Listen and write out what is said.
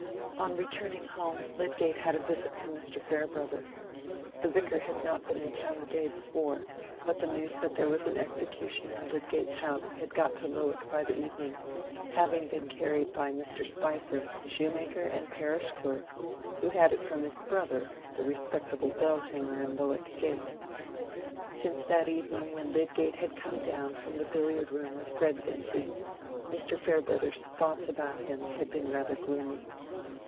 On returning home Lydgate had a visit from Mr. Farebrother. The Vicar had not been in the town the day before, but the news that there was an execution in Lydgate's house had got to Lowick by the evening, having been carried by Mr. Spicer, shoemaker and parish clerk, who had it from his brother, the respectable bell hanger in Lowick Gate. Since that evening when Lydgate had come down from the billiard room with Fred Vincy, Mr. Farebrother's thoughts about him had been rather gloomy.